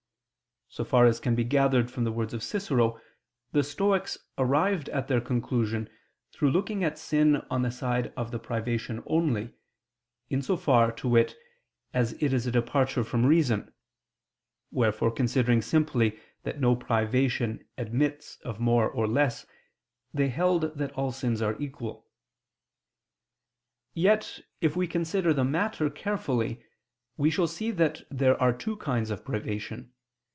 So far as can be gathered from the words of Cicero the Stoics arrived at their conclusion through looking at sin on the side of the privation only, in so far, to wit, as it is a departure from reason; wherefore considering simply that no privation admits of more or less, they held that all sins are equal. Yet, if we consider the matter carefully, we shall see that there are two kinds of privation.